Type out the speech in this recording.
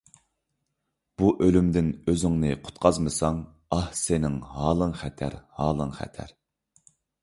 بۇ ئۆلۈمدىن ئۆزۈڭنى قۇتقۇزمىساڭ، ئاھ، سېنىڭ ھالىڭ خەتەر، ھالىڭ خەتەر.